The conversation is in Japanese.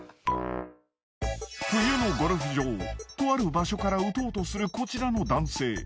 冬のゴルフ場とある場所から打とうとするこちらの男性。